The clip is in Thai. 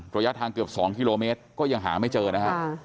ระยะทางเกือบ๒กิโลเมตรก็ยังหาไม่เจอนะฮะ